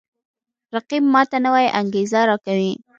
رقیب ما ته نوی انگیزه راکوي